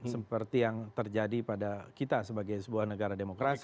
seperti yang terjadi pada kita sebagai sebuah negara demokrasi